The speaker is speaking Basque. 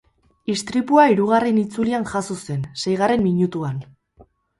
Istripua hirugarren itzulian jazo zen, seigarren minutuan.